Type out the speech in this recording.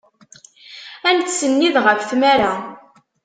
Ad nettsennid ɣef tmara.